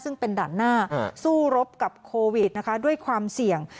ซึ่งเป็นด่านหน้าสู้รบกับโควิดนะคะด้วยความเสี่ยง